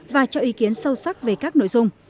và cho ý kiến sâu sắc về các nội dung